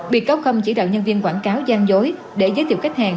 bị cáo khâm chỉ đạo nhân viên quảng cáo gian dối để giới thiệu khách hàng